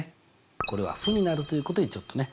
これは負になるということにちょっとね